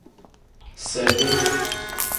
Sedi.